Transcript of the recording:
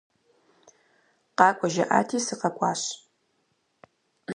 Къакӏуэ жаӏати, сыкъэкӏуащ.